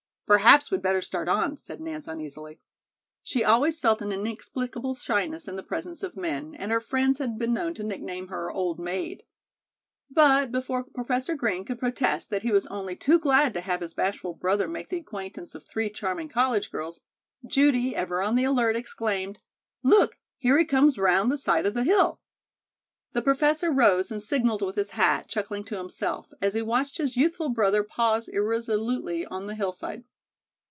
"Perhaps we'd better start on," said Nance uneasily. She always felt an inexplicable shyness in the presence of men, and her friends had been known to nickname her "old maid." But before Professor Green could protest that he was only too glad to have his bashful brother make the acquaintance of three charming college girls, Judy, ever on the alert, exclaimed, "Look, there he comes around the side of the hill." The Professor rose and signaled with his hat, chuckling to himself, as he watched his youthful brother pause irresolutely on the hillside.